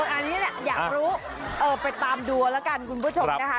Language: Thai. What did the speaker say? อันนี้แหละอยากรู้ไปตามดูเอาละกันคุณผู้ชมนะคะ